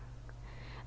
về phương hành